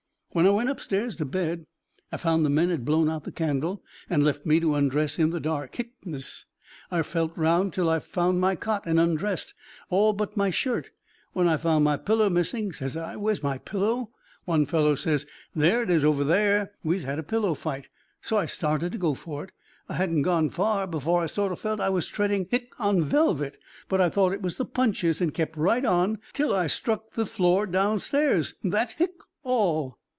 "When I went upstairs to bed, I found the men had blown out the candle and left me to undress in the dark hic ness. I felt round till I found my cot, and undressed, all but my shirt, when I found my pillow missing. Says I, 'Where's my pillow?' One fellow says: 'There it is, over there; wese had a pillow fight.' So I started to go for it. I hadn't gone far before I sort o' felt I was treading hic on velvet, but I thought it was the punches and kept right on, till I struck the floor downstairs. That hic 's all."